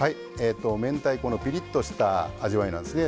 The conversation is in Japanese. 明太子のピリッとした味わいなんですね。